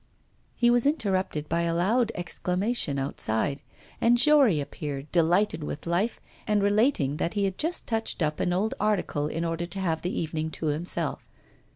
He was interrupted by a loud exclamation outside, and Jory appeared, delighted with life, and relating that he had just touched up an old article in order to have the evening to himself.